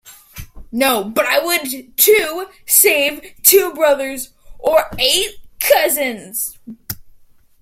No, but I would to save two brothers or eight cousins.